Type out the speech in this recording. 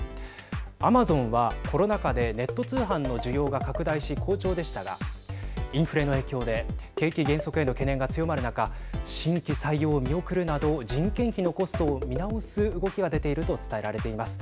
アマゾンはコロナ禍でネット通販の需要が拡大し好調でしたがインフレの影響で景気減速への懸念が強まる中新規採用を見送るなど人件費のコストを見直す動きが出ていると伝えられています。